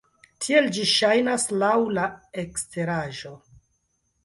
Tiel ĝi ŝajnas laŭ la eksteraĵo.